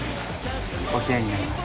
お冷やになります。